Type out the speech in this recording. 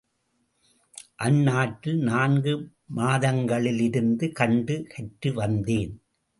அந்நாட்டில், நான்கு மாதங்களிருந்து கண்டு கற்று வந்தேன்.